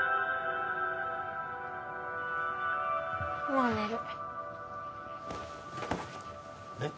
もう寝るえっ？